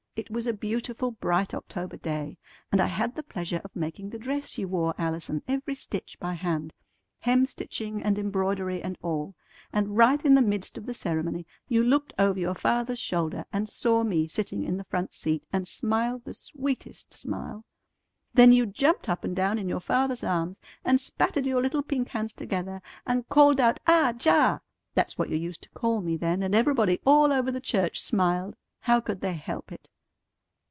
It was a beautiful bright October day, and I had the pleasure of making the dress you wore, Allison, every stitch by hand, hemstitching and embroidery and all. And right in the midst of the ceremony you looked over your father's shoulder, and saw me sitting in the front seat, and smiled the sweetest smile! Then you jumped up and down in your father's arms, and spatted your little pink hands together, and called out 'Ah Jah!' That's what you used to call me then, and everybody all over the church smiled. How could they help it?"